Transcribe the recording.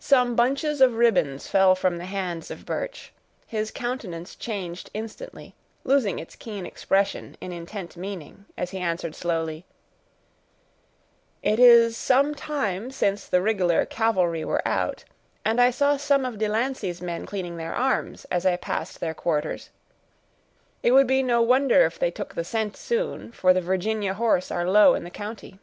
Some bunches of ribbons fell from the hands of Birch; his countenance changed instantly, losing its keen expression in intent meaning, as he answered slowly, "It is some time since the rig'lar cavalry were out, and I saw some of De Lancey's men cleaning their arms, as I passed their quarters; it would be no wonder if they took the scent soon, for the Virginia horse are low in the county."